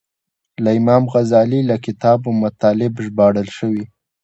له امام غزالي له کتابو مطالب ژباړل شوي.